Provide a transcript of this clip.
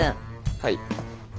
はい。